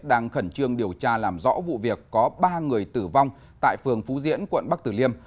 đang khẩn trương điều tra làm rõ vụ việc có ba người tử vong tại phường phú diễn quận bắc tử liêm